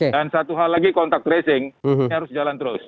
dan satu hal lagi contact tracing ini harus jalan terus